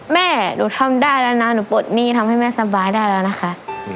แม่หนูทำได้แล้วนะหนูปลดหนี้ทำให้แม่สบายได้แล้วนะคะ